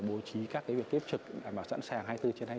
bố trí các việc tiếp trực đảm bảo sẵn sàng hai mươi bốn trên hai mươi bốn